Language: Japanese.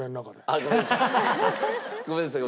あっごめんなさい。